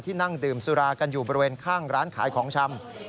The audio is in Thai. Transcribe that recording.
นั่งดื่มสุรากันอยู่บริเวณข้างร้านขายของชำ